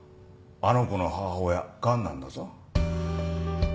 あの子の母親がんなんだぞ。